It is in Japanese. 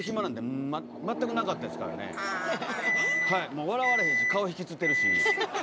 もう笑われへんし顔引きつってるし。